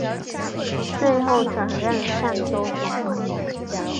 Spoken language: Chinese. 最后转任澶州总管。